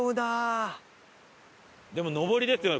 でも上りですよね